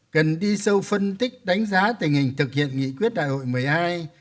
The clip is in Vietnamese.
cần đi sâu phân tích đánh giá tình hình thực hiện nghị quyết đại hội một mươi hai